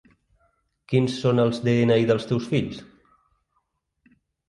Quins són els de-ena-i dels teus fills?